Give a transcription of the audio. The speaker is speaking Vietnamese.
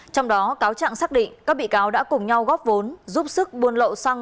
trong đó cáo trạng xác định các bị cáo đã cùng nhau góp vốn giúp sức buôn lậu xăng